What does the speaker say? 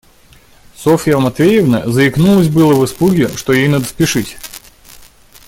Софья Матвеевна заикнулась было в испуге, что ей надо спешить.